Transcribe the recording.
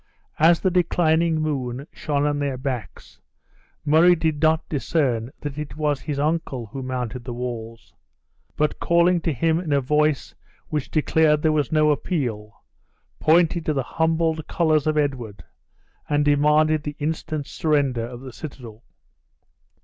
As the declining moon shone on their backs, Murray did not discern that it was his uncle who mounted the walls; but calling to him in a voice which declared there was no appeal, pointed to the humbled colors of Edward, and demanded the instant surrender of the citadel.